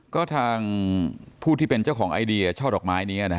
ก็ทางผู้ที่เป็นเจ้าของไอเดียช่อดอกไม้นี้